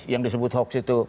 yang disebut hoax itu